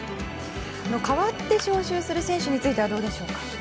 代わって招集する選手についてはどうでしょうか？